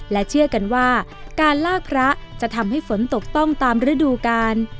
และเชื่อกันว่าการลากพระจะทำให้ฝนตกต้องตามฤดูกาล